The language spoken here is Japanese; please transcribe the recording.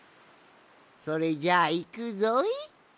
それじゃあいくぞい。